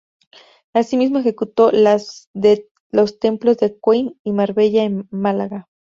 Asimismo, ejecutó las de los templos de Coín y Marbella en Málaga